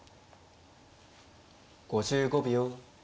５５秒。